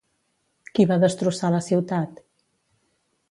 Qui va destrossar la ciutat?